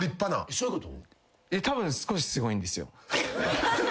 そういうこと？